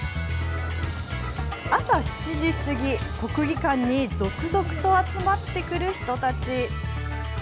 朝７時過ぎ、国技館に続々と集まってくる人たち。